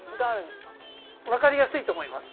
わかりやすいと思います。